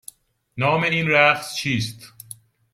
نام این رقص چیست؟